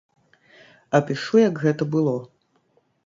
Апішу, як гэта было.